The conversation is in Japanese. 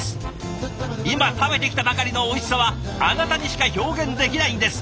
今食べてきたばかりのおいしさはあなたにしか表現できないんです！